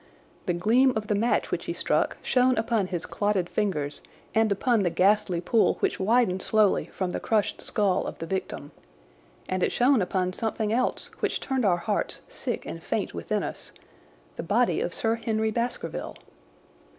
The gleam of the match which he struck shone upon his clotted fingers and upon the ghastly pool which widened slowly from the crushed skull of the victim. And it shone upon something else which turned our hearts sick and faint within us—the body of Sir Henry Baskerville!